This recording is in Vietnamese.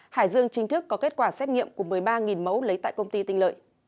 hải dương chính thức có kết quả xét nghiệm của một mươi ba mẫu lấy tại công ty tinh lợi